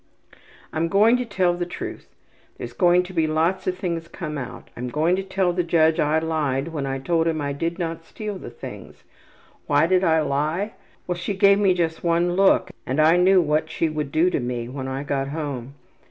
``I am going to tell the truth. There's going to be lots of things come out. I am going to tell the judge I lied when I told him I did not steal the things. Why did I lie? Well, she gave me just one look and I knew what she would do to me when I got home.